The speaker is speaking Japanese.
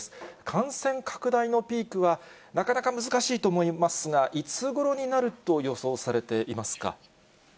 感染拡大のピークは、なかなか難しいと思いますが、いつごろになると予想されていますか。